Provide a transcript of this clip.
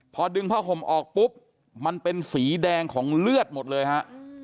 พอดึงผ้าห่มออกปุ๊บมันเป็นสีแดงของเลือดหมดเลยฮะ